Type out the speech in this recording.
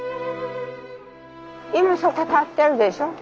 今そこ建ってるでしょう。